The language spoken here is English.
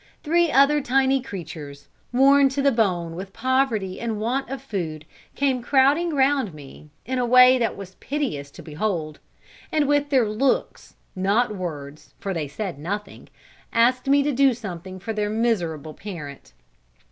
Three other tiny creatures, worn to the bone with poverty and want of food, came crowding round me, in a way that was piteous to behold; and with their looks, not words, for they said nothing, asked me to do something for their miserable parent.